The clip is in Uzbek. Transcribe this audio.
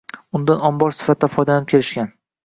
Undan ombor sifatida foydalanib kelishgan